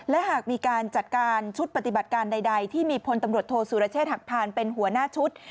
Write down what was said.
และหากมีการจัดการชุดปฏิบัติการใดที่มีพลตำรวจโทษสุรเชษฐหักพานเป็นหัวหน้าชุด